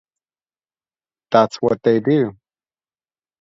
That's what they do.